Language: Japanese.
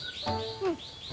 うん。